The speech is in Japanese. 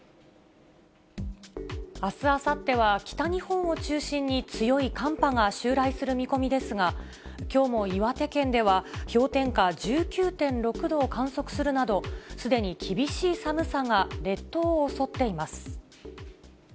あす、あさっては北日本を中心に強い寒波が襲来する見込みですが、きょうも岩手県では、氷点下１９．６度を観測するなど、すでに厳しい寒さが列島を襲っています。